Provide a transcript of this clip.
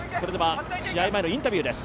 試合前のインタビューです。